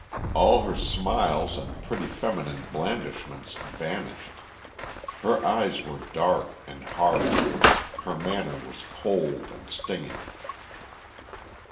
All her smiles and pretty feminine blandishments vanished; her eyes were dark and hard; her manner was cold and stinging.